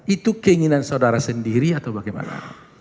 itu keinginan saudara sendiri atau bagaimana